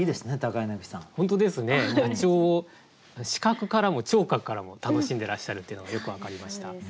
野鳥を視覚からも聴覚からも楽しんでらっしゃるというのがよく分かりました。